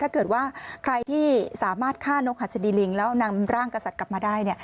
ถ้าเกิดว่าใครที่สามารถฆ่านกหัสดีลิงแล้วนำร่างกษัตริย์กลับมาได้